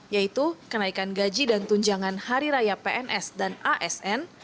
yaitu kenaikan gaji dan tunjangan hari raya pns dan asn